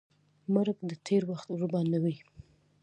مرګ د تېر وخت ور بندوي.